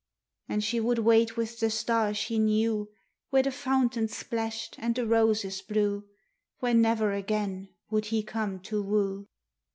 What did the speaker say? And she would wait with the star she knew, Where the fountain splashed and the roses blew, Where never again would he come to woo.